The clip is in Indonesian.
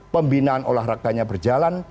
pembinaan olahraganya berjalan